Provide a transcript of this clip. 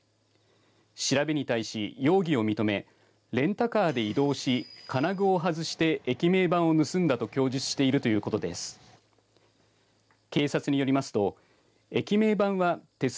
調べに対し容疑を認めレンタカーで移動し金具を外して駅名板を盗んだと供述しているということです。